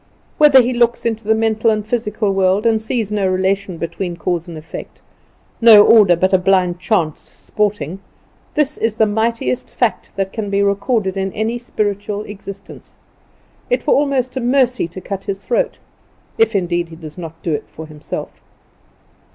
Whether he looks into the mental and physical world and sees no relation between cause and effect, no order, but a blind chance sporting, this is the mightiest fact that can be recorded in any spiritual existence. It were almost a mercy to cut his throat, if indeed he does not do it for himself.